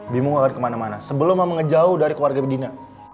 bimu akan kemana mana sebelum mama ngejauh dari keluarga bedina